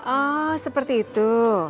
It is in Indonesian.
oh seperti itu